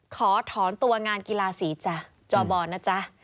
ขอถอนตัวงานกีฬาสีจ้ะจบอนะจ๊ะ